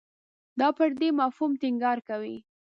دا پر دې مفهوم ټینګار کوي.